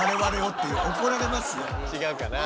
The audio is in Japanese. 違うかな？